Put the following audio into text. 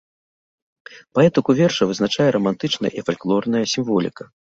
Паэтыку верша вызначае рамантычная і фальклорная сімволіка.